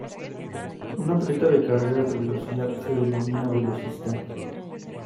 Un atleta de carreras de velocidad se denomina velocista.